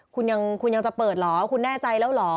คุณยังจะเปิดเหรอคุณแน่ใจแล้วเหรอ